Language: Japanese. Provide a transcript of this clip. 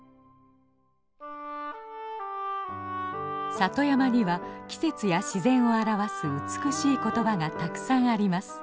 里山には季節や自然を表す美しい言葉がたくさんあります。